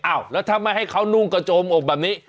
อ้าวแล้วถ้าไม่ให้เขานุ่งกระโจมอกแบบนี้